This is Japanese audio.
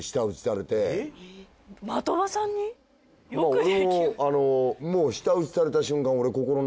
俺ももう舌打ちされた瞬間俺。